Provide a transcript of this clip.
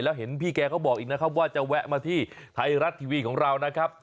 แล้วเห็นพี่แกก็บอกอีกนะครับว่าจะแวะมาที่ไทยรัฐทีวีของเรานะครับ